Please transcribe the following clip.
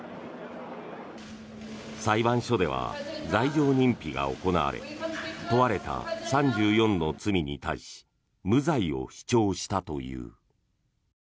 裁判所では罪状認否が行われ問われた３４の罪に対し無罪を主張したという。